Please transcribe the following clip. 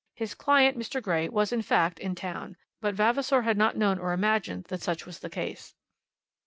His client, Mr. Grey, was, in fact, in town, but Vavasor had not known or imagined that such was the case.